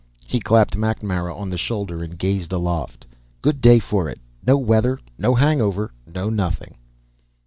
He clapped MacNamara on the shoulder and gazed aloft. "Good day for it. No weather, no hangover, no nothing."